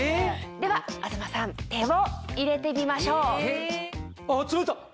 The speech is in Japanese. では東さん手を入れてみましょう。